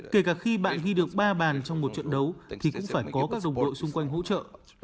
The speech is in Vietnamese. kể cả khi bạn ghi được ba bàn trong một trận đấu thì cũng phải có các đồng đội xung quanh hỗ trợ